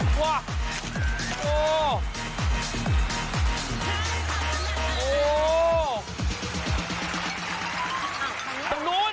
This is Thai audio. ตรงนู้น